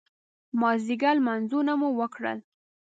مازدیګر لمونځونه مو وکړل.